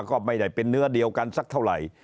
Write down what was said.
ก็ไม่ได้เป็นเนื้อเดียวกันสักเท่าไหร่